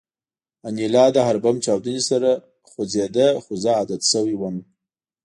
انیلا د هر بم چاودنې سره خوځېده خو زه عادت شوی وم